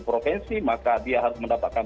provinsi maka dia harus mendapatkan